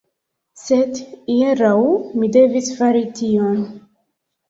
Sed, hieraŭ, mi devis fari tion.